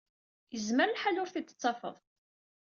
Yezmer lḥal ur t-id-tettafed.